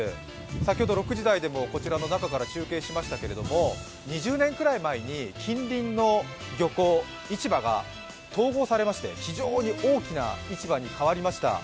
先ほど６時台でも、こちらの中から中継しましたけれども、２０年くらい前に近隣の漁港、市場が統合されまして、非常に大きな市場に変わりました。